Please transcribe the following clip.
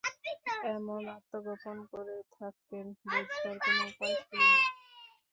এমন আত্মগোপন করে থাকতেন, বুঝবার কোনো উপায় ছিল না।